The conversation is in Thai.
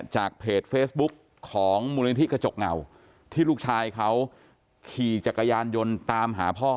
จากเพจเฟซบุ๊กของมูลนิธิกระจกเงาที่ลูกชายเขาขี่จักรยานยนต์ตามหาพ่อ